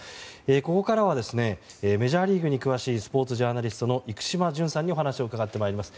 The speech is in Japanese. ここからはメジャーリーグに詳しいスポーツジャーナリストの生島淳さんにお話を伺ってまいります。